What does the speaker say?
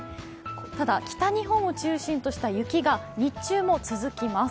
ただ、北日本を中心とした雪が日中も続きます。